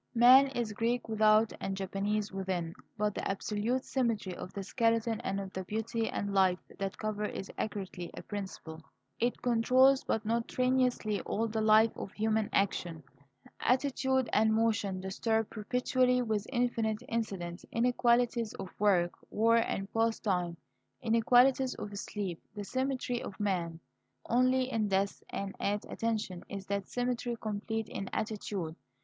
Man is Greek without and Japanese within. But the absolute symmetry of the skeleton and of the beauty and life that cover it is accurately a principle. It controls, but not tyrannously, all the life of human action. Attitude and motion disturb perpetually, with infinite incidents inequalities of work, war, and pastime, inequalities of sleep the symmetry of man. Only in death and "at attention" is that symmetry complete in attitude.